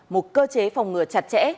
một cơ chế phòng ngừa chặt chẽ